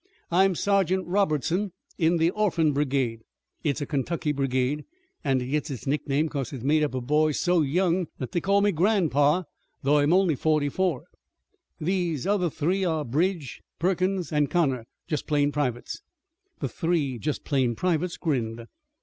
I'm Sergeant Robertson, in the Orphan Brigade. It's a Kentucky brigade, an' it gets its nickname 'cause it's made up of boys so young that they call me gran'pa, though I'm only forty four. These other three are Bridge, Perkins, and Connor, just plain privates." The three "just plain privates" grinned.